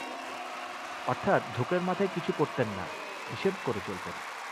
অর্থাৎ, ঝোঁকের মাথায় কিছুই করতেন না, হিসেব করে চলতেন।